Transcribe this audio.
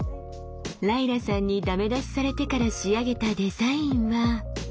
ライラさんにダメ出しされてから仕上げたデザインは。